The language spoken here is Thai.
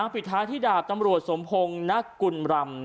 อาวุธภาพที่ดาบตำรวจสมพงศ์ณกุลรำ